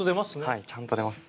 はいちゃんと出ます。